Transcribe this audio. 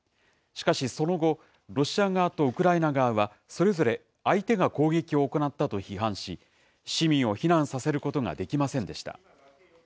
しかしその後、ロシア側とウクライナ側は、それぞれ相手が攻撃を行ったと批判し、市民を避難させることができませんでした。